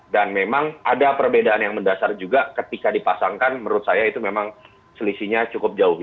dan memang ada perbedaan yang mendasar juga ketika dipasangkan menurut saya itu memang selisihnya cukup jauh